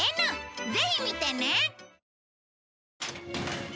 ぜひ見てね。